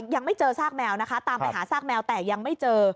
ยังไม่เจอซากแมวนะคะตามไปหาซากแมวแต่ยังไม่เจอ